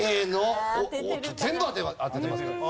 全部当ててますから。